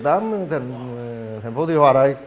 thành phố thị hòa đây